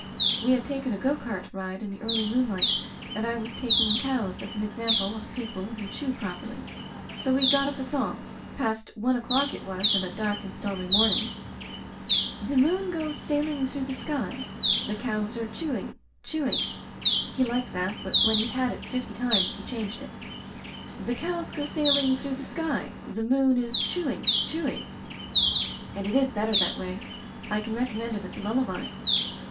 We had taken a go cart ride in the early moonlight and I was taking cows as an example of people who chew properly. So we got up a song — (past one o'clock it was and a dark and stormy morning) The moon goes sailing through the sky. The cows are chewing — chewing — Digitized by LjOOQ IC Broken Glass "He liked that but when he'd had it fifty times he changed it The cows go sailing through the sky The moon is chewing — chewing — "And it is better that way; I can recom mend it as a lullaby."